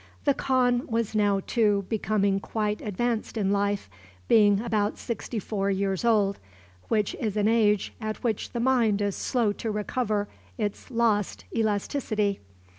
The khan was now, too, becoming quite advanced in life, being about sixty four years old, which is an age at which the mind is slow to recover its lost elasticity.